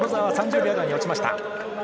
モロゾワは３０秒台に落ちました。